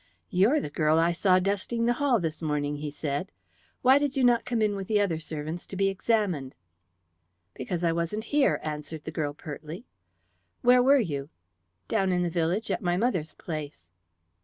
"You're the girl I saw dusting the hall this morning," he said. "Why did you not come in with the other servants to be examined?" "Because I wasn't here," answered the girl pertly. "Where were you?" "Down in the village, at my mother's place."